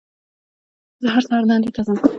زه هر سهار دندې ته ځم